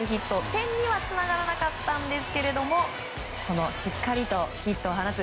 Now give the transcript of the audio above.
点にはつながらなかったんですけどもしっかりとヒットを放つ。